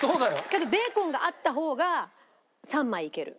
けどベーコンがあった方が３枚いける。